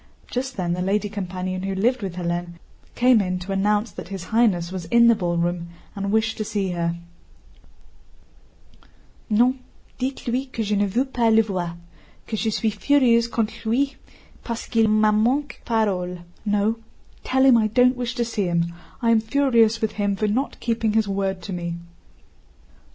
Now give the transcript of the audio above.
Just then the lady companion who lived with Hélène came in to announce that His Highness was in the ballroom and wished to see her. "Non, dites lui que je ne veux pas le voir, que je suis furieuse contre lui, parce qu'il m'a manqué parole." "No, tell him I don't wish to see him, I am furious with him for not keeping his word to me."